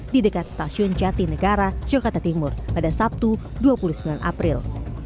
di dekat stasiun jati negara jogja timur pada sabtu dua puluh sembilan april